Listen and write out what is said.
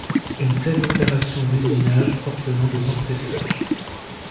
Une telle opération d'usinage porte le nom de mortaisage.